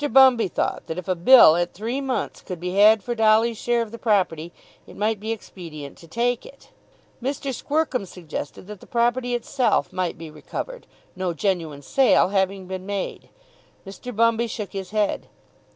Bumby thought that if a bill at three months could be had for Dolly's share of the property it might be expedient to take it. Mr. Squercum suggested that the property itself might be recovered, no genuine sale having been made. Mr. Bumby shook his head.